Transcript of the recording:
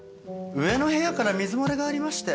上の部屋から水漏れがありまして。